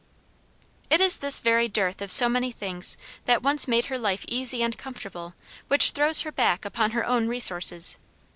It is this very dearth of so many things that once made her life easy and comfortable which throws her back upon her own resources.